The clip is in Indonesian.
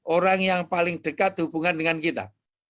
orang yang paling dekat hubungan dengan kita